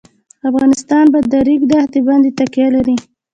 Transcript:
افغانستان په د ریګ دښتې باندې تکیه لري.